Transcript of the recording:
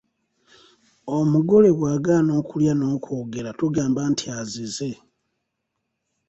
Omugole bw’agaana okulya n’okwogera tugamba nti azize.